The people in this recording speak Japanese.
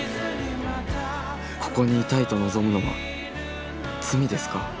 ここに居たいと望むのは罪ですか？